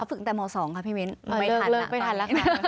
เขาฝึกตั้งแต่ม๒ครับพี่เม้นไม่ทันล่ะเลิกไม่ทันล่ะค่ะ